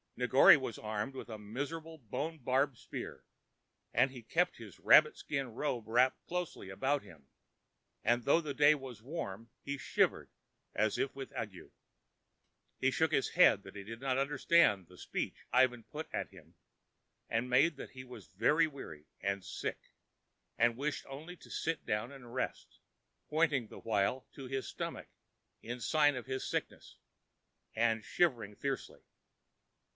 Negore was armed with a miserable bone barbed spear, and he kept his rabbit skin robe wrapped closely about him, and though the day was warm he shivered as with an ague. He shook his head that he did not understand the speech Ivan put at him, and made that he was very weary and sick, and wished only to sit down and rest, pointing the while to his stomach in sign of his sickness, and shivering fiercely.